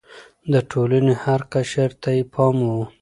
د ټولنې هر قشر ته يې پام و.